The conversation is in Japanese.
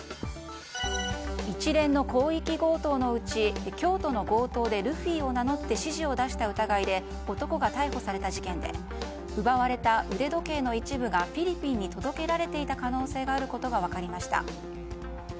一連の広域強盗のうち京都の強盗でルフィを名乗って指示を出した疑いで男が逮捕された事件で奪われた腕時計の一部がフィリピンに届けられていた可能性があることが分かりました。